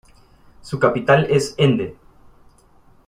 Su capital es Ende.